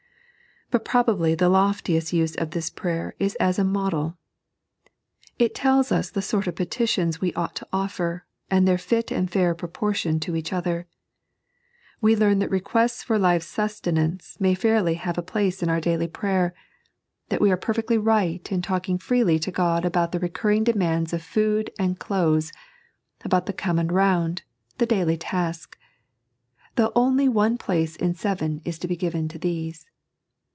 But probably the loftiest use of this prayer is as a modd. It tells us the sort of petitions we ought to offer, and their fit and fair proportion to each other. We learn that requests for life's sustenance may fairly have a place in our daily 3.n.iized by Google SUGOESTIOKS FOR PrATKK. 113 prayer ; that we are perfectly right in talking freely to God about the recmriDg demands of food and clothes, about the common round, the daily task ; though only one place in seven is to be given to these.